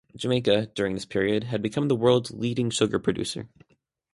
Jamaica, during this period, had become the world's leading sugar producer.